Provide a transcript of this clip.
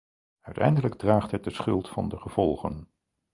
Uiteindelijk draagt het de schuld van de gevolgen.